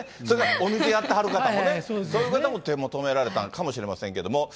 それからお店やってはる方もね、そういう方も手を止められたのかもしれないですけど。